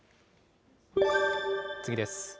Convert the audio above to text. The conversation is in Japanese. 次です。